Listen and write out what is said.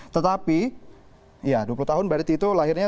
tetapi ya dua puluh tahun bariti itu lahirnya